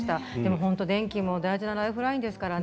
本当に電気も大事なライフラインですからね